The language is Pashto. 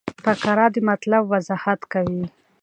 فقره د مطلب وضاحت کوي.